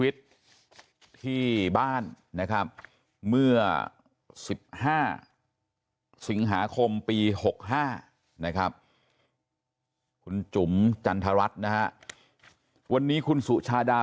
สิบห้าสิงหาคมปีหกห้านะครับคุณจุ๋มจันทรัสนะวันนี้คุณสุชาดา